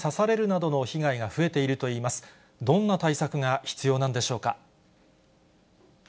どんな対策が必要なんでしょうか。